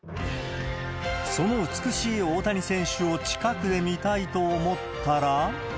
その美しい大谷選手を近くで見たいと思ったら。